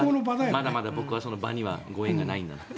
まだまだ僕はその場にはご縁がないんだなって。